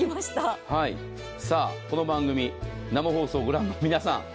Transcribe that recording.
この番組、生放送をご覧の皆様